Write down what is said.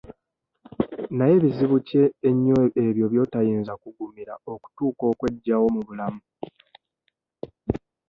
Naye bizibu ki ennyo ebyo by'otayinza kugumira okutuuka okweggyawo mu bulamu.